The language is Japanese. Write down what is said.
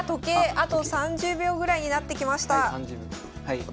あと３０秒ぐらいになってきました。